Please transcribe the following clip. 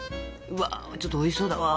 うわちょっとおいしそうだわ。